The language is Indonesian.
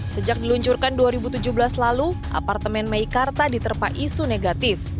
sejak diluncurkan dua ribu tujuh belas lalu apartemen meikarta diterpa isu negatif